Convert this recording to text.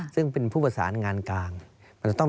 ซึ่งเป็นผู้ประสานงานกลาง